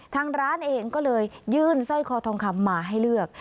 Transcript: ทางร้านเองก็เลยยื่นสร้อยคอทองคำมาให้เลือก